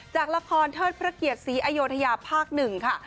จากละครเทิดพระเกียรติศรีอยุธยาภาค๑ค่ะ